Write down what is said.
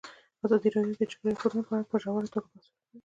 ازادي راډیو د د جګړې راپورونه په اړه په ژوره توګه بحثونه کړي.